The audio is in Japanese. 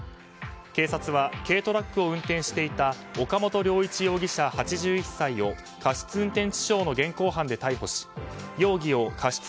警察は軽トラックを運転していた岡本良一容疑者、８１歳を過失運転致傷の現行犯で逮捕し容疑を過失